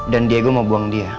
dan diego mau buang dia